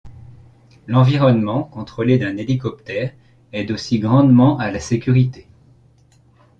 L'environnement contrôlé d'un hélicoptère aide aussi grandement à la sécurité.